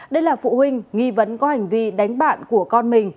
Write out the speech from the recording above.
đây là phụ huynh nghi vấn có hành vi đánh bạn của con mình